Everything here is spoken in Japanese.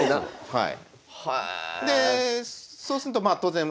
はい。